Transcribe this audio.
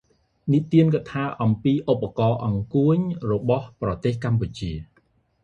និទានកថា អំពីឧបករណ៍ «អង្កួច» របស់ប្រទេសកម្ពុជា